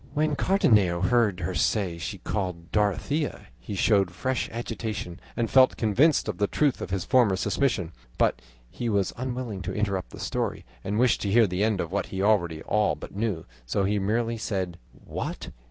'" When Cardenio heard her say she was called Dorothea, he showed fresh agitation and felt convinced of the truth of his former suspicion, but he was unwilling to interrupt the story, and wished to hear the end of what he already all but knew, so he merely said: "What!